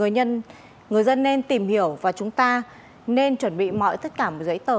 thì người dân nên tìm hiểu và chúng ta nên chuẩn bị mọi tất cả giấy tờ